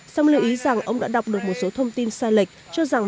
song lưu ý rằng ông đã đọc được một số thông tin sai lệch cho rằng